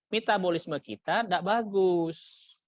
metabolisme kita tidak bagus